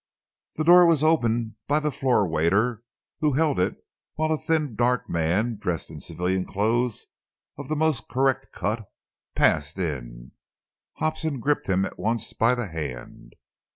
The door was opened by the floor waiter, who held it while a thin, dark man, dressed in civilian clothes of most correct cut, passed in. Hobson gripped him at once by the hand.